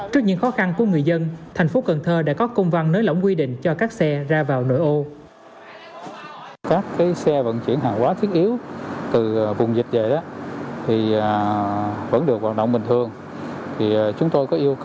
trước những khó khăn của người dân thành phố cần thơ đã có công văn nới lỏng quy định cho các xe ra vào nội ô